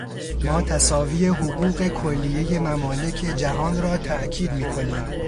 ما تساوی حقوق کلیهٔ ممالک جهان را تأکید میکنیم.